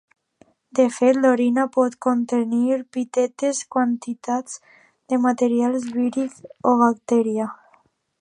De fet, l’orina pot contenir petites quantitats de material víric o bacterià.